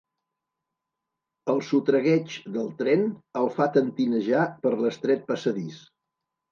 El sotragueig del tren el fa tentinejar per l'estret passadís.